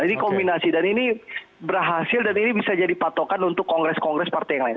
ini kombinasi dan ini berhasil dan ini bisa jadi patokan untuk kongres kongres partai yang lain